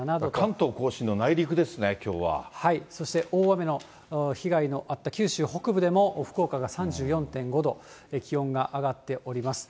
関東甲信の内陸ですね、そして大雨の被害のあった九州北部でも、福岡が３４．５度、気温が上がっております。